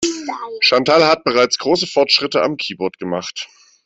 Chantal hat bereits große Fortschritte am Keyboard gemacht.